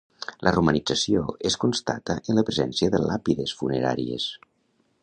La romanització es constata en la presència de làpides funeràries